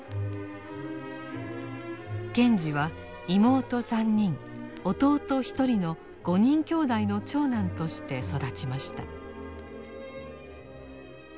賢治は妹３人弟１人の５人きょうだいの長男として育ちました。